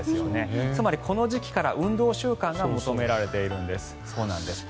つまりこの時期から運動習慣が求められているんです。